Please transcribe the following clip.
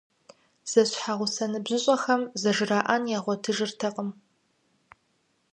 Зэщхьэгъусэ ныбжьыщӏэхэм зэжраӏэн ягъуэтыжыртэкъым.